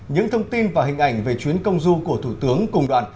những thông tin và hình ảnh về chuyến công du của thủ tướng cùng đoàn